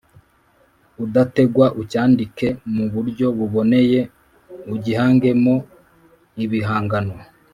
udategwa, ucyandike mu buryo buboneye, ugihangemo ibihangano